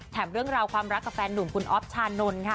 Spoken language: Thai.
เรื่องราวความรักกับแฟนหนุ่มคุณอ๊อฟชานนท์ค่ะ